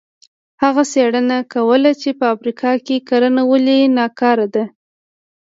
هغه څېړنه کوله چې په افریقا کې کرنه ولې ناکاره ده.